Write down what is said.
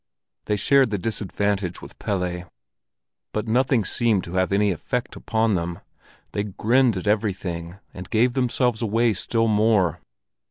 They shared the disadvantage with Pelle. But nothing seemed to have any effect upon them; they grinned at everything, and gave themselves away still more.